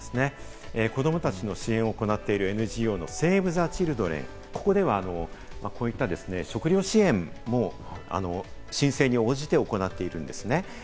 子供たちの支援を行っているＮＧＯのセーブ・ザ・チルドレン、ここでは食糧支援も申請に応じて行っているんですね。